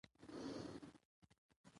څومره تمسخر كړى وي